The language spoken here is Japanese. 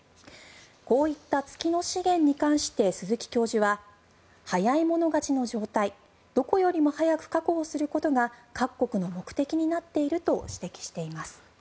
こういった月の資源に関して鈴木教授は、早い者勝ちの状態どこよりも早く確保することが各国の目的になっていると指摘しています。